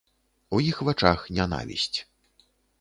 У іх вачах нянавісць.